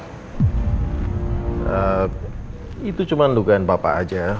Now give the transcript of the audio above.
ehm itu cuma dugaan papa aja